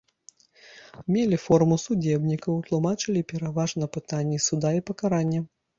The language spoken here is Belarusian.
Мелі форму судзебнікаў, тлумачылі пераважна пытанні суда і пакарання.